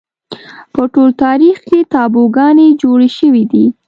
په ټول تاریخ کې تابوگانې جوړې شوې دي